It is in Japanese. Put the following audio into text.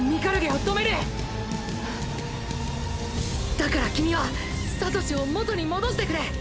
だから君はサトシを元に戻してくれ。